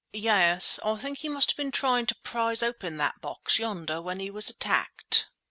"Yes. I think he must have been trying to prise open that box yonder when he was attacked."